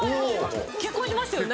結婚しましたよね。